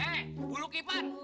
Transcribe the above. eh buluki pan